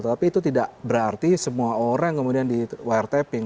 tapi itu tidak berarti semua orang kemudian di wiretaping